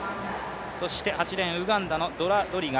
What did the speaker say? そして８レーン、ウガンダのドラドリガ。